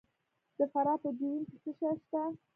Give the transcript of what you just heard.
د فراه په جوین کې څه شی شته؟